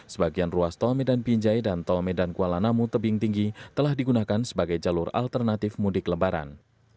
sebagian ruas tol medan binjai dan tol medan kuala namu tebing tinggi telah digunakan sebagai jalur alternatif mudik lebaran